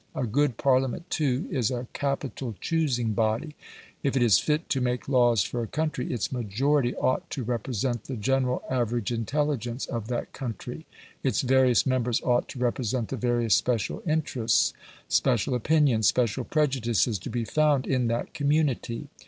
A good Parliament, too, is a capital choosing body. If it is fit to make laws for a country, its majority ought to represent the general average intelligence of that country; its various members ought to represent the various special interests, special opinions, special prejudices, to be found in that community.